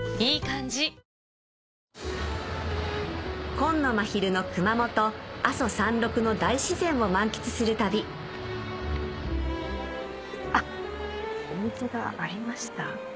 紺野まひるの熊本阿蘇山麓の大自然を満喫する旅あっホントだありました。